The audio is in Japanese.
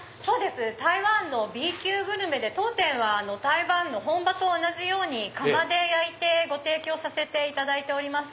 台湾のＢ級グルメで当店は台湾の本場と同じように窯で焼いてご提供させていただいております。